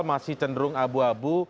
masih cenderung abu abu